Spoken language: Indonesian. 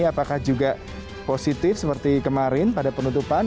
apakah juga positif seperti kemarin pada penutupan